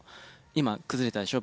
今崩れたでしょ？